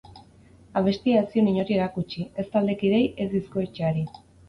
Abestia ez zion inori erakutsi, ez taldekideei ez diskoetxeari.